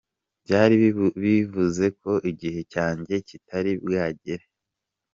Byari bivuze ko igihe cyanjye kitari bwagere.